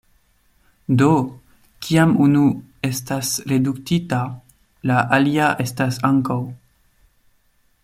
Do, kiam unu estas reduktita, la alia estas ankaŭ.